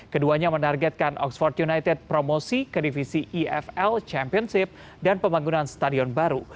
keduanya menargetkan oxford united promosi ke divisi ifl championship dan pembangunan stadion baru